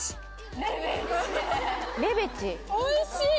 おいしい！